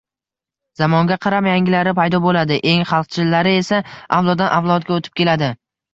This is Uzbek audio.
Zamonga qarab, yangilari paydo bo’ladi, eng xalqchillari esa avloddan-avlodga o’tib keladi.